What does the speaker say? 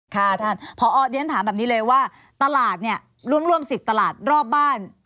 ค่ะท่านพอออดฉันถามแบบนี้เลยว่าตลาดเนี้ยรวมรวมสิบตลาดรอบบ้าน